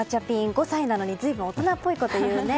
５歳なのに大人っぽいこと言うね。